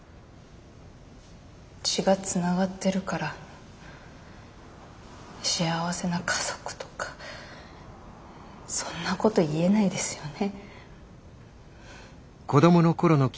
血がつながってるから幸せな家族とかそんなこと言えないですよね。